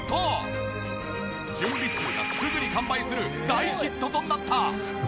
準備数がすぐに完売する大ヒットとなった。